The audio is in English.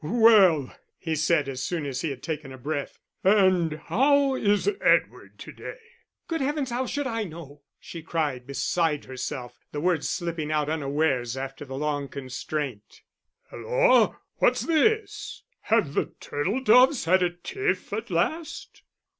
"Well," he said, as soon as he had taken breath. "And how is Edward to day?" "Good heavens, how should I know?" she cried, beside herself, the words slipping out unawares after the long constraint. "Hulloa, what's this? Have the turtle doves had a tiff at last?"